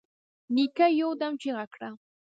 نيکه يودم چيغه کړه.